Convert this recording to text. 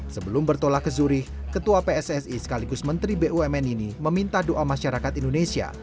sebelum bertolak ke zuri ketua pssi sekaligus menteri bumn ini meminta doa masyarakat indonesia